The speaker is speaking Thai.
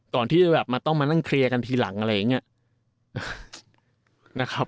ก่อนที่มันต้องมานั่งเคลียร์กันทีหลังอะไรอย่างนี้